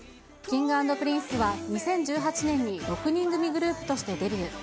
Ｋｉｎｇ＆Ｐｒｉｎｃｅは、２０１８年に６人組グループとしてデビュー。